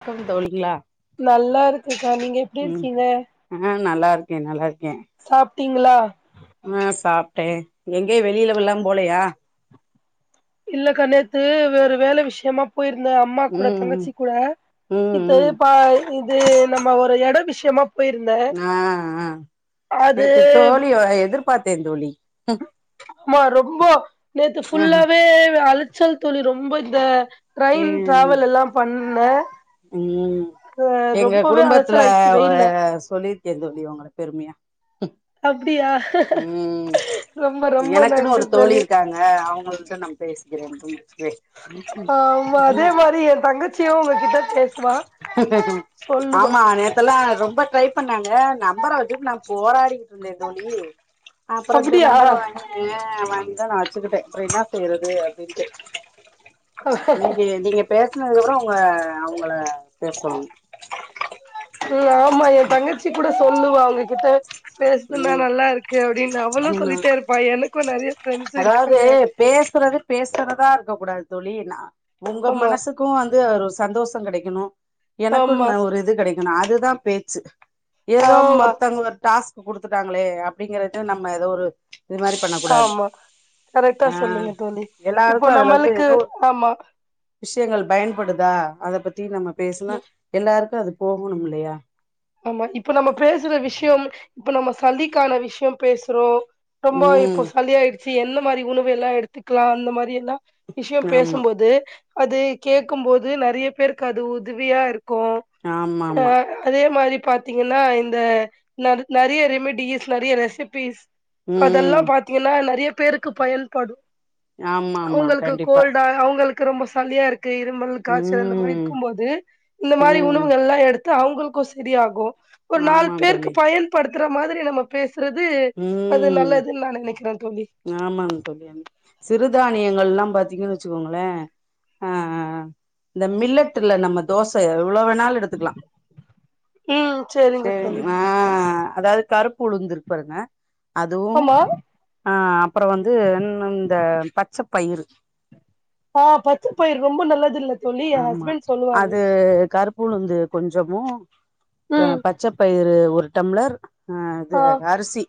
வணக்கம் தோழிங்களா நல்லா இருக்குக்கா நீங்க எப்டி ம் இருக்கீங்க ஆ நல்லா இருக்கன் நல்லாரு சாப்டீங்களா ஆஹ் சாப்டே எங்கயே வெளியிலவலாம் போலையா இல்லகா ணேத்து வேற வேலை விஷயமா போயிருந்தேன் அம்மா கூட ம் ம் தங்கச்சி கூட ம் ம் இப்போ இது நம்ம ஒரு இட அத விஷயமா போயிருந்தே ஆஹஹ அது னேத்து தோழி எதிர் பாத்தேந்தோழி ஆமா ரொம்ப நேத்து ஆ ஃபுல்லாவே அழச் சல் தோழி ரொம்ப இந்த ட்ரெயின் உம் டிராவல் எல்லா பண்ணே உம் அ எங்க ரொம்பவே குடும்பத்துல அலைச்சல் ஆயிடுச்சு வெயில்ல சொல்லிருக்கேன் தோழி உங்கள பெருமையா அப்டியா ம் ரொம்ப ரொம்ப எனக்குன்னு நன்றி ஒரு தோழி இருக்காங்க அவங்கள்ட்ட [unintelligible] ஆமா அதே மாரி என் தங்கச்சியும் உங்க கிட்ட பேசுவா சொல்லுவா ஆமா நேத்தெல்லா ரொம்ப ட்ரை பண்ணாங்க நம்பற வச்ச நான் போராடிக்கிட்டு இருந்தே தோழி அப்பறம் இந்த அப்டியா நம்பர் வாங்கி வாங்க நான் வச்சுக்கிட்டேன் அப்பறம் என்ன செய்யறது அப்படின்னுட்டு இன்க்கி நீங்க பேச னத்துக்கு அப்புறம் உங்க அவங்கள உம் ஆமா என் தங்கச்சி கூட சொல்லுவா உங் ங்கிட்ட பேசுதுன்னா ம் நல்லா இருக்கு அப்படின்னு அவளும் ம் சொல்லிட்டே இருப்பா எனக்கும் நெறைய ஃப்ரெண்ட்ஸ் அதாவது இருக்காங்க பேசுறது பேசுறதா இருக்க கூடாது தோழியனா உங்க ஆமா மனசுக்கும் வந்து சந்தோஷம் கிடைக்கணும் எனக்கும்ன்னு ஆமா நா ஒரு இது கிடைக் அதுதான் பேச்சு ஏதோ ஆமா ஒருத்தங்க ஒரு டாஸ்க் குடுத்துட்டாங்களே அப்படிங்கறத நம்ம ஏதோ ஒரு இது மாரி பண்ண கூடாது ஆமா கரெக்டா ஆ சொல்லீங்க தோழி இப்போ எல்லாருக்கு அதுல வந்து நம்மளுக்கு ஏதோ ஒரு ஆமா விஷயங்கள் பயன் படுதா அத பத்தி நம்ம பேசனா எல்லாருக்கும் அது போகணும் இல்லையா ஆமா இப்ப நம்ம பேசுற விஷயம் இப்ப நம்ம சல்லிக்கான விஷயம் பேசுறோம் ரொம்ப இப்போ ம் சாலியயிடுச் சி எந்த மாரி உணவு எல்லாம் எடுத்துக்கலாம் அந்த மாரி எல்லாம் விஷயம் ஆமா பேசும்போது அது கேட்கும் போது நெறய பேருக்கு அது உதவியா இருக் க்கும் ஆமா ஆமா அஹ அதே இந்த மாரி பாத்தீங்கன்னா இந்த நற் நறைய ரெமிடிஸ் நெறய ரெசிபிஸ் ம் அதெல்லாம் பாத்தீங்கன்னா நெறைய பேருக்கு பயன்படும் ஆமா ஆமா அவங்களுக்கு கண்டிப்பா கோல்டா அவங்களு க்கு ரொம்ப சாலியா இருக் க்கு இருமல் காய்ச்சல் அந்த மாரி ம் இருக்கும் போது இந்த மாரி ம் உணவுகள் எல்லாம் எடுத் அவங்களுக்கு ஸ் சரியாகும் ஒரு நாலு ஆமா பேருக்கு பயன்படுத் க்ர மாரி நம்ம பேச உம் நெனைக்கிறே தோழி ஆமாம் தோழி சிறுதானியங்கள் எல்லாம் பாத்தீங்கன்னு வச்சுக்கோங்களேன் அஹ் இந்த மில்லட்டுல நம்ம தோச எவ்ளோ வேணாலும் எடுத்துக்கலா ம் சரிங்க தோழி ஆஹ அதாவது கருப் பொழுந்திருக் பருகுங்க அதுவும் ஆமா ஆஹ் அப்பறம் வந்து ன் ன்த பச்சை பயிறு ஆஹ் பச்சை பயிர் ரொம்ப நல்லது இல்ல தோழி எ ஆமா ஹஸ்பண்ட் சொல்லுவாரு அது கருப்புஉளுந்து கொஞ்சமோ [inaudible] க ம் பச்சை பயிறு ஒரு டம்ளர் ஆஹ் அது ஆ அரிசி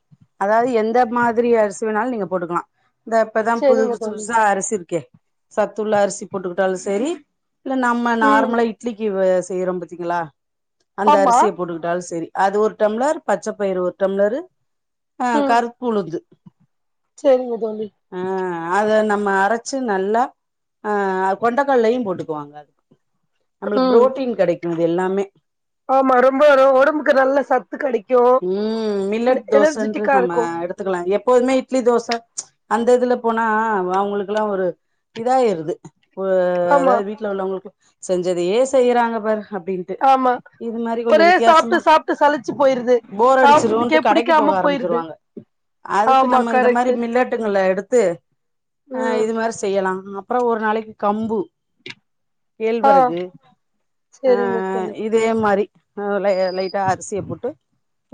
அதாவது எந்த மாதிரி அரிசி வேனாலும் நீங்க போட்டுக்கலாம் தே இப்பதான் புது சரிங்க பு பு தோழி புதுசா அரிசி இருக்கே சத்துள்ள அரிசி போட்டுக்கிட்டாலு செரி இல்ல நம்ம ம் நார்மலா இட்லிக்கு வேஸ் செய்றோம் பாத்தீங்களா அந்த ஆமா அரிசிய போட்டுக்கிட்டாலும் செரி அது ஒரு டம்ளர் பச்சை பயிர் ஒரு டம்ளரு ஆஹ் ம் கருப்புஉளுந்து சரிங்க தோலி மறைச்சு நல்லா ஆஹ் அப் கொண்ட கல்லையும் போட்டு [inaudible] நம்பளுக்கு ம் புரோட்டீன் கிடைக் இது எல்லாமே ஆமா ரொம்பரோ உடம்புக்கு நல்ல சத்து கிடைக் உம் மில்லட் தோசைன்ற நம்ம இருக்கு எடுத்துக்கலாம் எப் எப்போதுமே இட்லி தோசை ச்சு அந்த இதுல போனா அவுங்களுளக்குல்லாம் ஒரு இதாயிறுது [unintelligible] ஆமா அதாவது வீட்ல வந்த அவுங்களுக்கு செஞ்சதுயே செய்யறாங்க பார் ஆமா ஒரே சாப்பிட்டு வித்தியாசமா சாப்பிட்டு சலிச்சு போயி போர் அடிச்சிருன்ட்டு கடைக்கு போக போயிருது ஆரம்பிச்சிருவாங்க அதுக்கு ஆமா நம்ம இந்த மாரி கரெக்ட்டு மில்லட்டுங்களை எடுத் தே ஆஹ் ம் இது மாரி செய்யலாம் அப்புறம் ஒரு நாளைக்கு கம்பு ஆ கேழ்வரகு சரிங்க ஆஹ் தோழி இதே மாரி அதிலயே லைட்டா அரிசிய போட்டு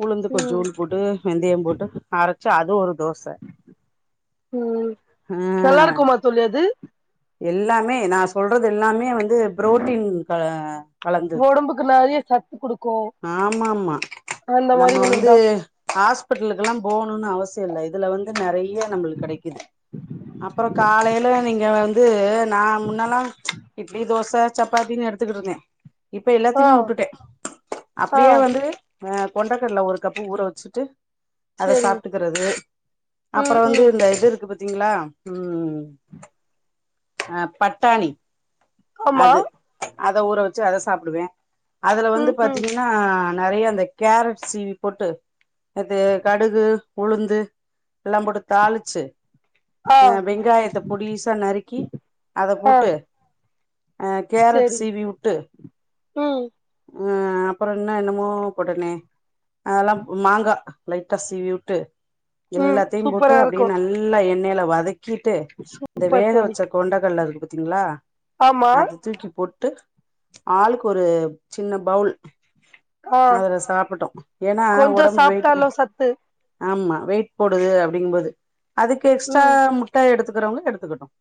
உளுந்து ம் கொஞ்சூண்டு போட்டு வெந்தயம் போட்டு அரைச்சா அது ஒரு தோச உம் நல்லா ஆ இருக்குமா தோழி அது எல்லாமே நான் சொல்றது எல்லாமே வந்து புரோட்டீன் கல ஒடம்புக்கு நிறைய சத்து கொடுக்கும் ஆமா ஆமா அந்த மாதிரி உணவுதான் ஹாஸ்பிட்டலுக்குல்லாம் போகணும்னு அவசியம் இல்ல இதுல வந்து நெறைய நம்மளுக்கு கெடைக்குது அப்புறம் காலையில நீங்க வந்து நான் முன்னலாம் இட்லி தோச சப்பாத்தி எடுத்துக்கிட்டு இருந்தேன் இப்ப ஆ எல்லாத்தையுமே வுட்டுட்டேன் ஆ அப்படியே வந்து ஆஹ் கொண்டக்கடல ஒரு கப்பு ஊற வச்சுட்டு அத சரிங்க சாப்பிட்டுக்கிறது ம் அப்புறம் வந்து ம் இந்த இது இருக்கு பாத்தீங்களா உம் ஆஹ் பட்டாணி ஆமா அது அத ஊற வச்சு அத சாப்பிடுவேன் அதுல வந்து ம் ம் பாத்தீங்கன்னா நெறைய அந் கேரட் சீவி போட்டு அது கடுகு உளுந்து எல்லாம் போட்டு தாளிச்சு ஆ வெங்காயத்த பொடிசா நறுக்கி அத ஆ போட்டு அ கேரட் சரி சீவி விட்டு ம் ஆ அப்புறம் என்ன என்னமோ உடனே அதெல்லாம் மாங்கா லைட்டா சீவி விட்டு ம் எல்லாத்தையும் போட்டு சூப்பரா அப்படி இருக்கு நல்லா எண்ண எண்ணெயில வதக் கிட்டு இந்த சூப்பர் வேக தோழி வச்ச கொண்டகடல இருக் ங்களா ஆமா அத தூக்கி போட்டு ஆளுக்கு ஒரு சின்ன பவுல் ஆ அதுல சாப்பிட்டோம் ஏன்னா கொஞ்சோ ஒடம்பு வெயிட்டு சாப்ட்டாலு சத்து ஆமா வெயிட் போடுது அப்படிங்கும்போது அதுக்கு எக்ஸ்ட்ரா ம் முட்ட எடுத்து இருக்கிறவங்க எடுத்துக்கிடட்டும்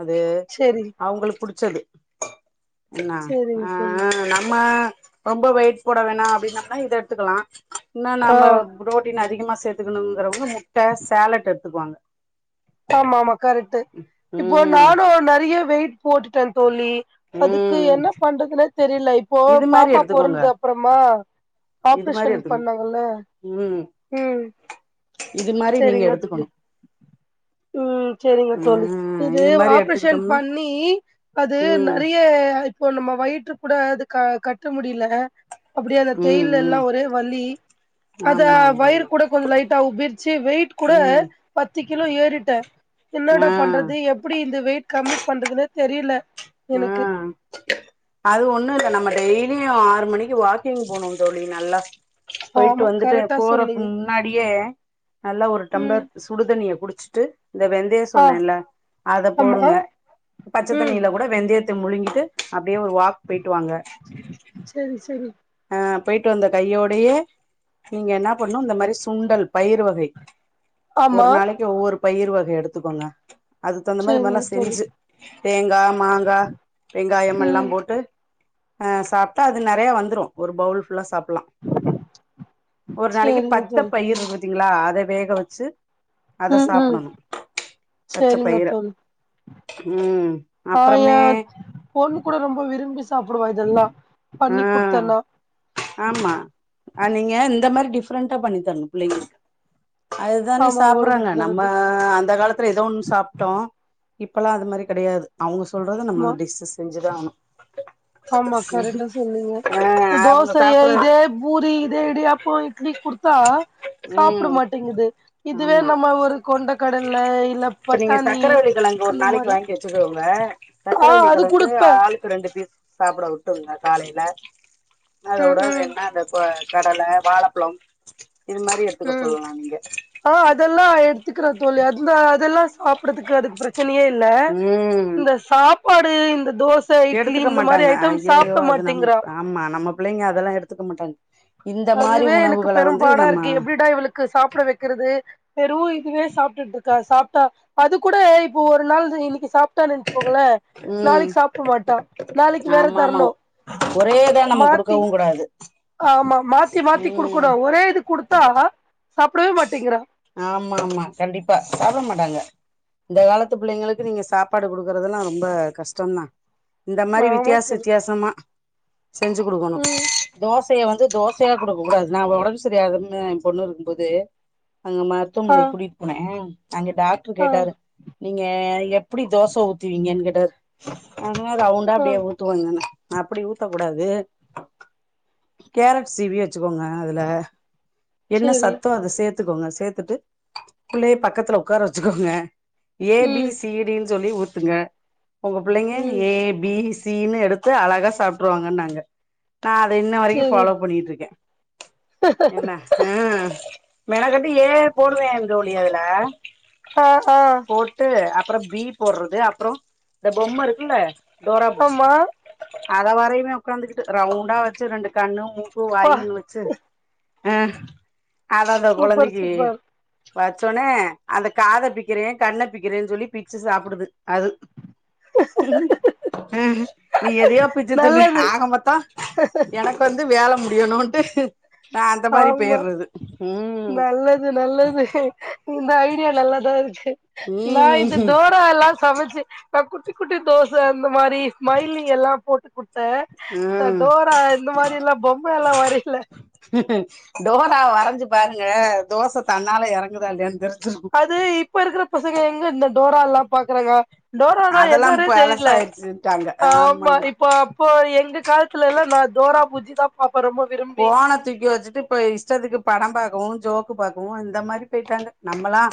அது செரி அவங்களுக்கு புடிச் செடு என்ன செரிங்க தோழி ஆஹ் நம்ம ரொம்ப வெயிட் போட வேணா அப்படின்ம்னா இத எடுத்துக்கலாம் என்ன ஆ நம்ம ஃப்ரோட்டீன் அதிகமா சேத்துக்கணுங்கறவங்க முட்ட சேலட் எடு துவாங்க ஆமா ஆமா கரெக்ட் இப்போ ம் நானும் நிறைய வெயிட் போட்டுடன் தோலி அதுக்கு ம் என்ன பண்றதுன்னே தெரியல இப்போ இது மாரி பாப்பா எடுத்துக்கோங்க பொறந்த அப்புறமா இது மாரி ஆப்ரேஷன் எடுத்துக்கோங்க பண்ணாங்கல்ல ம் உஹம் இது மாரி நீங்க சரிங்க தோலி எடுத்துக்கணு உம் சரிங்க தோலி ம் இது மாரி ஆப்ரேஷன் எடுத்துக்கிட்டோம்னா பண்ணி அது ம் நிறைய இப்போ நம்ம வயிற்று கூட அது கட்ட முடில ல அப்படிய அந்த ம் தேயில் ம் எல்லாம் ஒரே வலி அத ஆமா ஆமா ஆமா வயர் கூட கொஞ்சம் லைட்டா உப்பி வெயிட் கூட ம் பத்து பத்து கிலோ ஏறிட்டன் என்னோட ஆ பண்றது எப்படி இந்த வெயிட் கம்மி பண்றதுனே தெரியல எனக்கு உஹம் அது ஒண்ணும் இல் நம்ம டெய்லி லீயும் ஆறு மணிக்கு வாக்கிங் போனோம் தோலி நல்லா போயிட்டு ஆமா வந்துட்டு கரெக்டா போறக்கு சொன்னீங்க முன்னாடியே நல்லா ஒரு டம்ளர் ம் சுடுதண்ணிய குடி வச்சுட்டு இந்த வெந்தயம் ஆ சொன்னேன்ல்ல அத ஆமா போடுங்க ம் பச்சத்தண்ணியில கூட வெந்தயத்த முழுங்கிட்டு அப்ப அப்படியே ஒரு வாக் போயிட்டு வாங்க செரி செரி அஹ் போயிட்டு வந்த கையோடையே நீங்க என்ன பண்ணும் இந்த மாரி சுண்டல் பயிறு வகை ஒரு ஆமா நாளைக்கு ஒவ்வொரு பயிர் வகை எடுத்துக்கோங்க அது தகுந்த மாரி மொதல்ல செரிங்க தோழி செஞ்சு தேங்கா மாங்கா வெங்காயம் எல்லாம் ம் போட்டு ஆ சாப்பிட்டா அது நிறைய வந்துரும் ஒரு பவுல் ஃபுல்லா சாப் லாம் ஒரு நாளைக்கு செரிங்க பத்து தோழி பயிர் ங்களா அத வேக வச்சு அத உம் உம் சாப்பிடணு பச்ச செரிங்க பயிர தோழி ம் அப்புறமே ஆஹ் பொண்ணு கூட ரொம்ப விரும்பி சாப்பிடுவா இதெல்லாம் ஆஹ் ஆமா அஹ் நீங்க இந்த மாரி டிஃப்ரெண்டா பண்ணி தரணும் பிள்ளைங்களுக்கு அதுதானே ஆமா சாப்பறாங்க ஒடம்புக்கு நம்ம நல்லது அந்த காலத்துல ஏதோ ஒண்ணு சாப்பிட்டோ இப்பெல்லா அந்த மாதிரி கிடையாது அவங்க சொல்றத நம்ம ஆமா டிஸ் செஞ்சுதான் ஆணும் ஆமா கரெக்டா சொல்லுங்க ஆ இந்த அவங்க தோசைய சாப்பிடுற இதே பூரி இதே இடியாப்போ இட்லி குடுத்தா சாப்பிட ம் மாட்டேங்குது இதுவே ஆமா நம்ம ஒரு கொண்ட கடல இல்ல இப்ப நீங்க பட்டாணி சக்கரவள்ளி கெழங்கு ஒரு இந்த நாளைக்கு மாதிரி வாங்கி வச்சுக்கோங்க ஆஹ் சக்கரவள்ளி அது கெழங்கு குடுப்பே ஆளுக்கு ரெண்டு பீஸ் சாப்பிட விட்டு காலைல அத ம் வுடா ம் என்ன அப்ப கடல வாலப்பழம் உம் ஆ அதெல்லாம் எடுத்துக்கிறேன் தோழி அது [unintelligible] அதுல்லா சாப்படுறதுக்கு அதுக்கு பிரச்சனையே இல்ல ம் இந்த சாப்ப சாப்பாடு இந்த தோச இட்லி எடுத்துக்க இந்த மாரி மாட்டாங்க ஐட்டம் ஐய்யோயோ சாப்ட அது நம் மாட்டேங்கிறா ஆமா நம்ம பிள்ளைங்க அதெல்லாம் எடுத்துக்க மாட்டாங்க இந்த மாரி அதுவே எனக்கு உணவுகள வந்து பெரும்பாடா நம்ம இருக்கு எப்படிடா இவளுக்கு சாப்பிட வைக்கிறது வெரு இதுவே சாப்பிட்டுட்டு இருக்கா சாப்பிட்டா அது கூட இப்போ ஒரு நாள் இன்னைக்கு சாப்பிட்டான்னு வச்சுக்கோ ங்க ம் நாளைக்கு சாப்பிட மாட்டா நாளைக்கு வேற ஆமா ஆமா தரணும் ஒரே இதா நம்ம மாத்தி குடுக்கவு கூடாது ஆமா மாத்தி மாத்தி ம் குடுக்கணும் ஒரே இது குடுத்தா சாப்டவே மாட்டேங்கிறா ஆமா ஆமா கண்டிப்பா சாப்பிட மாட்டாங்க இந்த காலத் பிள்ளைங்களுக்கு நீங்க சாப் சாப்பாடு கொடுக்கறதுதெல்லாம் ரொம்ப கஷ்டம்தான் இந்த மாதிரி ஆமா வித்தியாச தோழி வித்தியாசமா செஞ்சு கொடுக்கணும் ம் தோச தோசையை வந்து தோசையா கொடுக்க கூடாது நான் ஒடம்பு சரியில்லாம என் பொண்ணு இருக்கும் போது அங்க ஆ மருத்துவமனை கூட்டிகிட்டு போனன் அங்க டாக்டர் ஆ கேட்டாரு நீங்க எப்படி தோசை ஊத்துவீங்கன்னு க க ஆனா ரவுண்டா ஆ அடியே ஊத்துவாங்கன்னா அப்படி ஊத்தக்க கூடாது கேரட் சீவி வச்சுக்கோங்க அதுல சேரி சேர்த்துக்கோங்க சேர்த்துட்டு புள்ளையே பக்கத்துல உட்கார வச்சுக்கோங்க ஏ பி ம் சி டினு சொல்லி உ பாத்துங்க உங்க பிள்ளைங்க ம் ஏ பி சி சீனு எடுத்து அழகா சாப்பிட்டுருவாங்கு நாங்க நா அத இன்ன வரைக்கு சேரி ஃபாலோ பண்ணிட்டு இருக்கே என்ன ஆஹ் மெனக்கட்டு ஏ போடுவே தோழி அதுல ஆ ஆ போட்டு அ அப்புறம் பீ போடுறது அப்புறம் இந்த பொம்ம இருக்குல்ல டோரா புஜ்ஜி ஆமா அத வரையுமே உட்காந்துக்கிட்டு ரவுண்டா வச்சு ரெண்டு கண்ணும் மு க்கு ப்பா வாயன்னு வச்சு ஆஹ் அத அத சூப்பர் கொழந்தைக்கு சூப்பர் வச்சோனே அந்த காத பிக்கிறேன் கண்ண பிக்கிறேன்னு சொல்லி பிச்சு சாப்பிடுது அது ஹ நீ எதையோ பிச்சு தின்னு நல்லது ஆக மொத்த எனக்கு வந்து வேல மு வேனுட்டு நா அந்த மாரி ஆமா போயிறது ம் நல்லது நல்லது இந்த ஐ டியா நல்லாதான் இருக்கு நா இது ம் டோரா எல்லாம் சமைச்சி ந குட்டி குட்டி தோச இந்த மாரி ஸ்மைலிங் எல்லா போட்டு குடு ட ம் டோரா இந்த மாதிரி இல்ல பொம்ம எல்லாம் வரையில டோரா வரைஞ்சு பாருங்க தோச தன்னால இறங் அது இப்ப இருக்கிற பசங்க எங்க இந்த டோரா எல்லாம் பாக்குறாங்க டோரானா என்னானே தெரியல ஆமா இப்ப அப்போ எங்க காலத்துல எல்லாம் நான் டோரா புஜ்ஜி [unintelligible] விரும்பி போன தூக்கி வச்சுட்டு இப்ப இஷ்டத்துக்கு படம் பார்க்கவும் ஜோக்கு பாக்கவு இந்த மாதிரி போயிட்டாங்க நம்மல்லா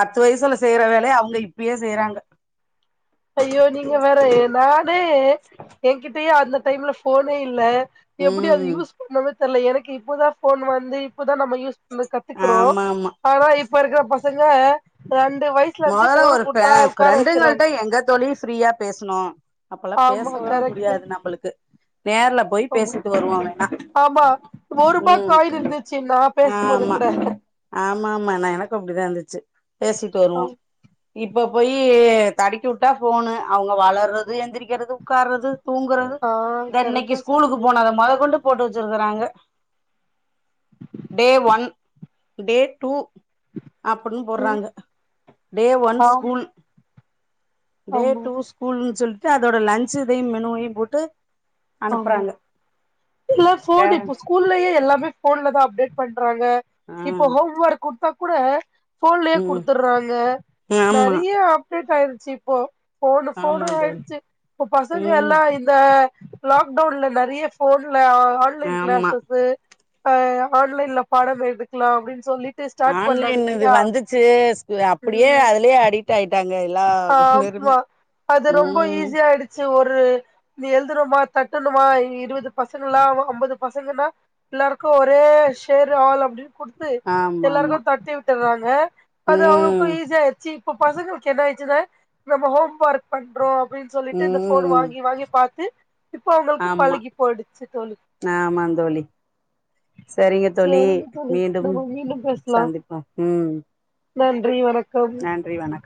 பத்து வயசுல செய்யற வேலைய அவங்க இப்பயே செய்யறாங்க ஐயோ நீங்க வேற நானே என்கிட்டயே அந்த டைம்ல போனே இல்ல எப்படி அது ம் யூஸ் பண்ணவே தெர்ல எனக்கு இப்பதான் போன் வந்து இப்ப நம்ம யூஸ் பண்ண கத்துக்கிறோம் ஆமா ஆமா ஆனா இப் இப்ப இருக்கிற பசங்க ரெண்டு வயசுல இருந்து மொதல்ல போன ஒரு ஃப்ர கொடுத்தா உட்கார ஃப்ரெண்டுங்கள்ட்ட வச்சுட்றாங்க எங்க தோழி ஃப்ரீயா பேசுணோ அப்போதெல்லா ஆமா பேசவே கரெக்ட்டு முடியாது நம்மளுக்கு நேர்ல போய் ஆமா பேசிட்டு வருவோ வெனா ஆமா ஒருவா காயின் இருந்துச்சு நான் பேசும்போது ஆமா கூட ஆமா ஆமா நா எனக்கு அப்டிதா இருந்துச்சு பேசிட்டு வருவோம் இப்ப போய் தடிக்கி விட்டா போனு அவங்க வளர்றது எந்திரிக்கிறது உட்கார்றது தூங்குறது ஆ இத இன்னைக்கு கரெக்டா ஸ்கூலுக்கு சொன்னீங்க போனது மொத கொண்டு போட்டு வச்சிருக்கறாங்க டே ஒன் டே டூ அப்படின்னு ம் போடுறாங்க டே ஒன் ஆமா ஸ்கூல் டே ஆமா டூ ஸ்கூல்ன்னு சொல்லிட்டு அதோட லஞ்சு இதையும் மெனுவையும் போட்டு ஆமா அனுப்புறாங்க எல்லா போன் இப்ப பேரண்ட்ஸ் ஸ்கூல்லயே எல்லாமே போன்ல தான் அப்டேட் பண்ணிட் றாங்க ஆ இப்ப ஹோம் ஒர்க் கொடுத்தா கூட போன்லயே ம் குடுத்துட்றாங்க ஆமா நிறைய அப்டேட் ஆயிருச்சு இப்போ ஃபோனு ஆமா ஃபோனுன்னு தோழி ஆயிடுச்சு இப்ப பசங்க ம் எல்லா இந்த லாக்டவுன்ல நெறைய ஃபோன் ல ஆன்லைன் ஆமா கிளாஸஸு ஆ ஆன்லைன்ல பாடம் எடுக்கலா அப்டின்னு சொல்லி ஆன்லைன் இது வந்துச்சு அப்படியே ம் அதுலயே அடிட் ஆயிட்டா ஆமா அது ரொம்ப ம் ஈஸியாயிடுச்சு ஒரு நீ எழுதணுமா தட்டணுமா இருபது பசங்களா அ அம்பது பசங்கன்னா எல்லாருக்கு ஒரே ஷேர் ஆல் அப்டின் குடுத்து ஆமா ஆமா எல்லாருக்கு தட்டி வி ட்டறாங்க அது அவுங்களுக்கு ம் ஈசியாயிடுச்சி இப்ப பசங்களு க்கு என்ன ஆயிடுச்சினா நம்ம ஹோம் ஒர்க் பண்றோ அப்டின்னு சொல்லிட்டு இந்த ஃபோன் ம் வாங்கி வாங்கி பாத்து இப்ப அவுங்களுக்கு ஆமா பழகி போயிடுச்சு தோழி ஆமா தோழி சரிங்க தோழி சேரிங்க தோழி மீண்டும் நம்ம மீண்டும் பேசலா சந்திப்போம் ம் நன் றி வணக்கம் நன்றி வணக்கம்